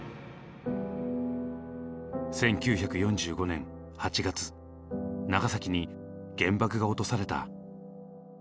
１９４５年８月長崎に原爆が落とされた。